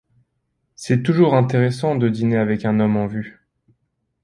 C’est toujours intéressant de dîner avec un homme en vue.